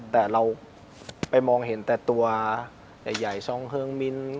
แต่เราไปมองเห็นแต่ตัวใหญ่ซ่องเครื่องมิ้น